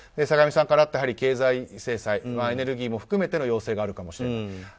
坂上さんからあったように経済制裁、エネルギーも含めての要請があるかもしれない。